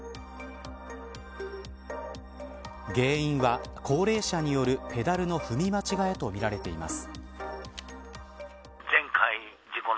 原因は高齢者によるペダルの踏み間違えとみられています。